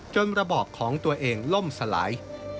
ระบอบของตัวเองล่มสลาย